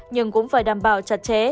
nhưng cũng phải đảm bảo chặt chẽ